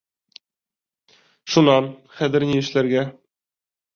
Шунан, хәҙер ни эшләргә?